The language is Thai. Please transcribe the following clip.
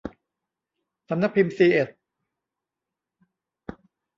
สำนักพิมพ์ซีเอ็ด